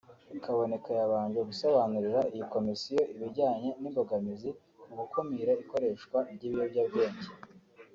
Kaboneka yabanje gusobanurira iyi komisiyo ibijyanye n’imbogamizi ku gukumira ikoreshwa ry’ibiyobyabwenge